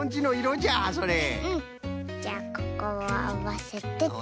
うんじゃあここをあわせてと。